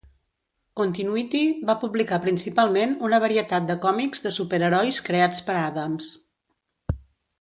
Continuity va publicar principalment una varietat de còmics de superherois creats per Adams.